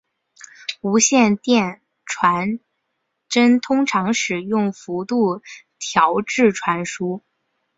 无线电传真通常使用幅度调制传输。